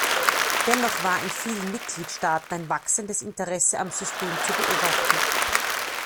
Dennoch war in vielen Mitgliedstaaten ein wachsendes Interesses am System zu beobachten.